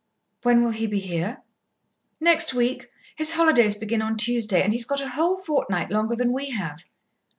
"When will he be here?" "Next week. His holidays begin on Tuesday and he's got a whole fortnight longer than we have."